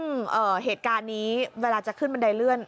ทีนี้คุณผู้ชมคะซึ่งเหตุการณ์นี้เวลาจะขึ้นบันไดเลื่อน